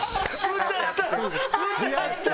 むちゃした！